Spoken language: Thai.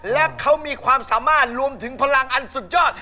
และเขามีความสามารถรวมถึงพลังอันสุดยอด